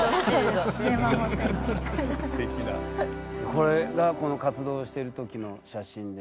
これがこの活動してるときの写真ですね。